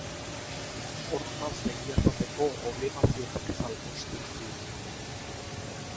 Hortaz, egia esateko obligaziotik salbuesten du legeak.